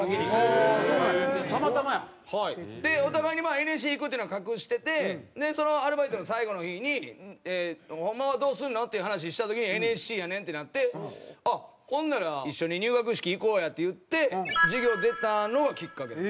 でお互いにＮＳＣ行くっていうのは隠しててそのアルバイトの最後の日に「ホンマはどうするの？」っていう話した時に「ＮＳＣやねん」ってなって「ほんなら一緒に入学式行こうや」って言って授業出たのがきっかけです。